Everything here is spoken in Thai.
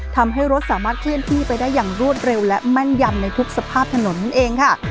ทำให้รถสามารถเคลื่อนที่ไปได้อย่างรวดเร็วและแม่นยำในทุกสภาพถนนนั่นเองค่ะ